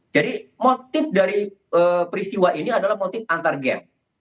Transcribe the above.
jadi motif dari peristiwa ini adalah motif antargem